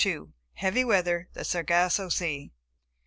* *Heavy Weather; the Sargasso Sea.